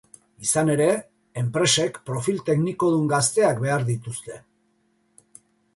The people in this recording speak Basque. Izan ere, enpresek profil teknikodun gazteak behar dituzte.